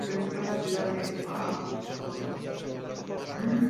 Creció en la ciudad de Ashdod.